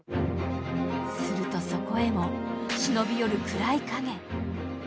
すると、そこへも忍び寄る暗い影。